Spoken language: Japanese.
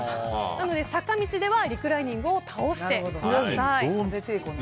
なので、坂道ではリクライニングを倒してください。